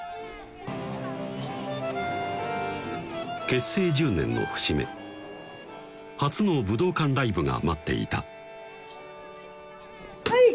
結成１０年の節目初の武道館ライブが待っていたはい！